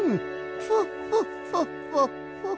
フォッフォッフォッフォッフォッ。